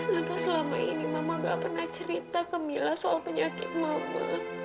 kenapa selama ini mama gak pernah cerita ke mila soal penyakit mama